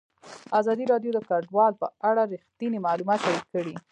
ازادي راډیو د کډوال په اړه رښتیني معلومات شریک کړي.